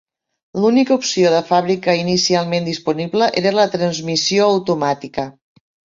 L'única opció de fàbrica inicialment disponible era la transmissió automàtica.